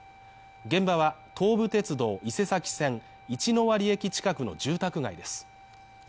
現場は東武鉄道伊勢崎線一ノ割駅近くの住宅街です。